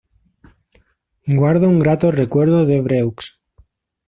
Guardo un grato recuerdo de Evreux.